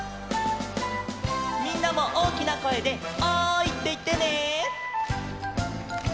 みんなもおおきなこえで「おい！」っていってね。